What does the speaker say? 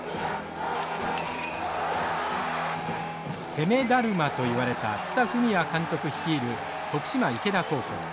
攻めだるまといわれた蔦文也監督率いる徳島池田高校。